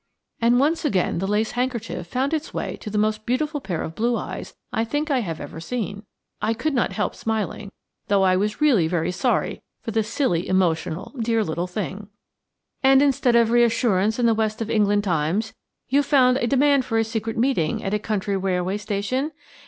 And once again the lace handkerchief found its way to the most beautiful pair of blue eyes I think I have ever seen. I could not help smiling, though I was really very sorry for the silly, emotional, dear little thing. "And instead of reassurance in the West of England Times, you found a demand for a secret meeting at a country railway station?"